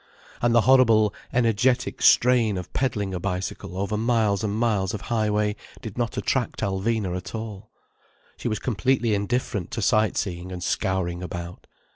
And the horrible energetic strain of peddling a bicycle over miles and miles of high way did not attract Alvina at all. She was completely indifferent to sight seeing and scouring about.